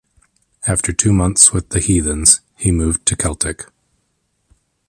After two months with the Heathens, he moved to Celtic.